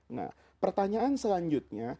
nah pertanyaan selanjutnya